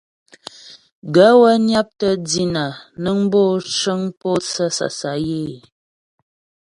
Gaə̂ wə́ nyaptə́ dínà nəŋ bu cəŋ mpótsə́ sasayə́.